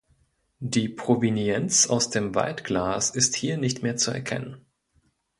Die Provenienz aus dem Waldglas ist hier nicht mehr zu erkennen.